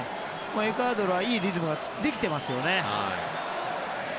エクアドルはいいリズムができていますよね。